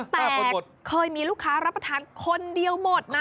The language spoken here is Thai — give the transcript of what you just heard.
แต่เคยมีลูกค้ารับประทานคนเดียวหมดนะ